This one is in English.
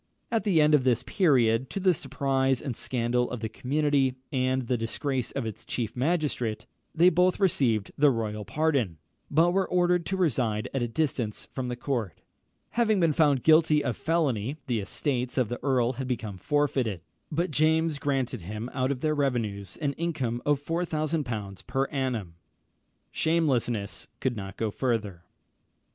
At the end of this period, to the surprise and scandal of the community, and the disgrace of its chief magistrate, they both received the royal pardon, but were ordered to reside at a distance from the court. Having been found guilty of felony, the estates of the earl had become forfeited; but James granted him out of their revenues an income of 4000l. per annum! Shamelessness could go no further.